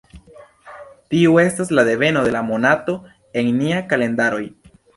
Tiu estas la deveno de la monato en nia kalendaroj.